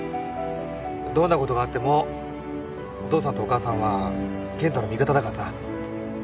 どんなことがあってもお父さんとお母さんは健太の味方だかんな。